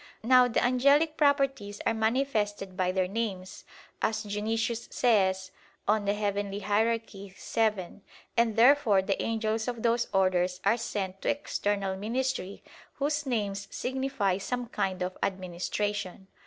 Now the angelic properties are manifested by their names, as Dionysius says (Coel. Hier. vii); and therefore the angels of those orders are sent to external ministry whose names signify some kind of administration.